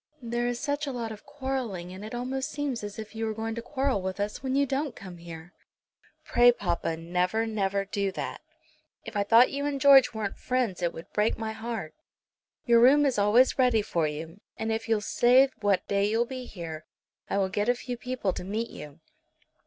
There is such a lot of quarrelling, and it almost seems as if you were going to quarrel with us when you don't come here. Pray, papa, never, never do that. If I thought you and George weren't friends it would break my heart. Your room is always ready for you, and if you'll say what day you'll be here I will get a few people to meet you."